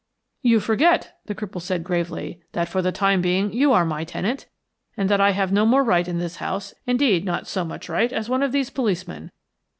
"You forget," the cripple said, gravely, "that for the time being you are my tenant, and that I have no more right in this house, indeed, not so much right, as one of these policemen.